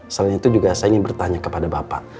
selain itu juga saya ingin bertanya kepada bapak